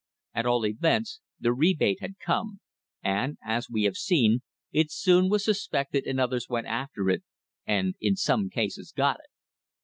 At all events the rebate had come, and, as we have seen, it soon was suspected and others went after it, and in some cases got it.